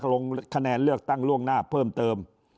ลงคะแนนเลือกตั้งล่วงหน้าเพิ่มเติม